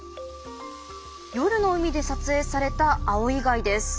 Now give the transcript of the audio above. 夜の海で撮影されたアオイガイです。